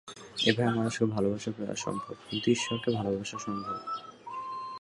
এভাবে মানুষকে ভালবাসা প্রায় অসম্ভব, কিন্তু ঈশ্বরকে ভালবাসা সম্ভব।